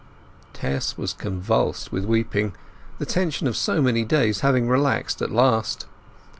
Tess was convulsed with weeping, the tension of so many days having relaxed at last.